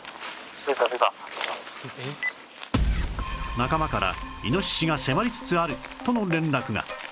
仲間からイノシシが迫りつつあるとの連絡が